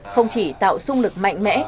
không chỉ tạo sung lực mạnh mẽ